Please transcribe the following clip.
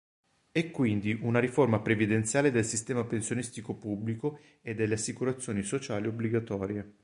È quindi una riforma previdenziale del sistema pensionistico pubblico e delle assicurazioni sociali obbligatorie.